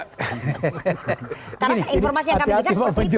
karena informasi yang kami berikan seperti itu